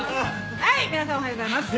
はい皆さんおはようございます。